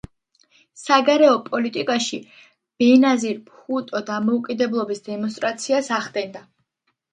საგარეო პოლიტიკაში ბენაზირ ბჰუტო დამოუკიდებლობის დემონსტრაციას ახდენდა.